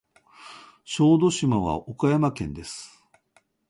小豆島は岡山県です。